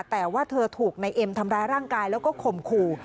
แต่ว่าเธอถูกในเอ็มทำร้ายร่างกายแล้วก็ข่มขู่